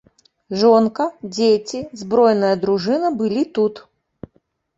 Жонка, дзеці, збройная дружына былі тут.